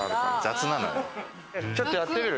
ちょっとやってみる？